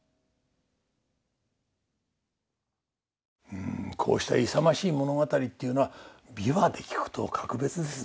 うんこうした勇ましい物語っていうのは琵琶で聴くと格別ですね。